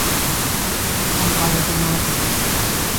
Em arode nabin.